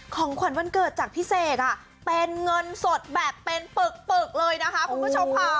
ของขวัญวันเกิดจากพี่เสกเป็นเงินสดแบบเป็นปึกเลยนะคะคุณผู้ชมค่ะ